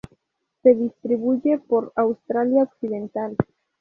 Se distribuye por Australia Occidental.